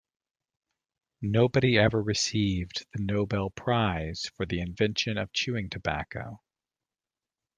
Nobody ever received the Nobel prize for the invention of chewing tobacco.